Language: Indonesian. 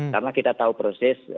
karena kita tahu proses